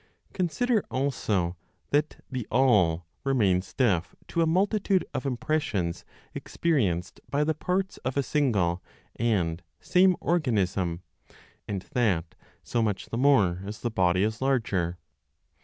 Consider also that the All remains deaf to a multitude of impressions experienced by the parts of a single and same organism, and that so much the more as the body is larger.